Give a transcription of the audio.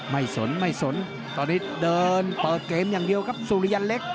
สนไม่สนตอนนี้เดินเปิดเกมอย่างเดียวครับสุริยันเล็ก